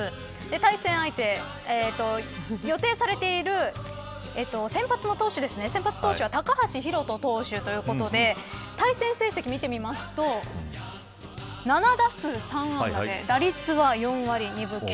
対戦相手予定されている先発の投手は高橋宏斗投手ということで対戦成績を見てみますと７打数３安打で打率は４割２分９厘。